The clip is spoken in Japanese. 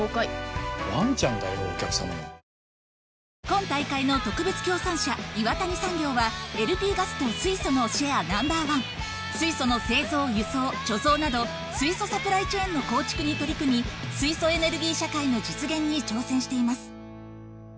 今大会の特別協賛社「岩谷産業」は水素の製造輸送貯蔵など水素サプライチェーンの構築に取り組み水素エネルギー社会の実現に挑戦しています